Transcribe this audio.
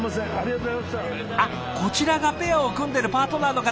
あっこちらがペアを組んでるパートナーの方！